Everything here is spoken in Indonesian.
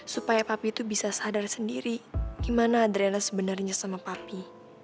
supaya papi itu bisa sadar sendiri gimana adrena sebenarnya sama papi